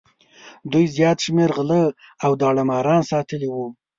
دوی زیات شمېر غله او داړه ماران ساتلي وو.